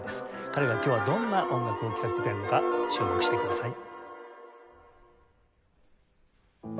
彼が今日はどんな音楽を聴かせてくれるのか注目してください。